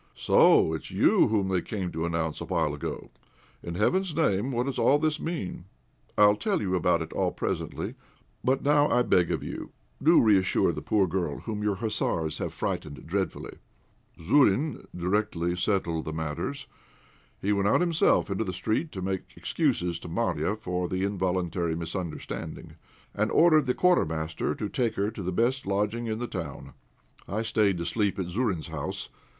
So it's you whom they came to announce a while ago? In heaven's name, what does all this mean?" "I'll tell you all about it presently. But now I beg of you, do reassure the poor girl, whom your hussars have frightened dreadfully." Zourine directly settled matters. He went out himself into the street to make excuses to Marya for the involuntary misunderstanding, and ordered the Quartermaster to take her to the best lodging in the town. I stayed to sleep at Zourine's house.